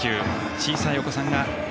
小さいお子さんが。